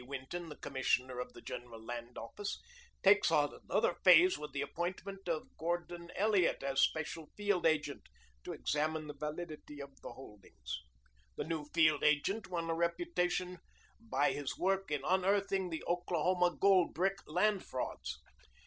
Winton, the Commissioner of the General Land Office, takes on another phase with the appointment of Gordon Elliot as special field agent to examine the validity of the holdings. The new field agent won a reputation by his work in unearthing the Oklahoma "Gold Brick" land frauds.